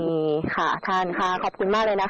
มีค่ะท่านค่ะขอบคุณมากเลยนะคะ